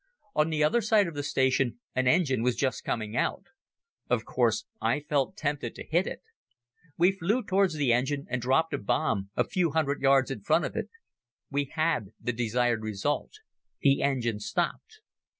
On the other side of the station an engine was just coming out. Of course I felt tempted to hit it. We flew towards the engine and dropped a bomb a few hundred yards in front of it. We had the desired result. The engine stopped.